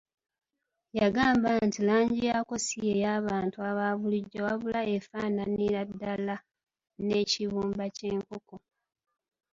Yangamba nti langi yaako si ye y’abantu abaabulijjo wabula efaananira ddala n’ekibumba ky’enkoko.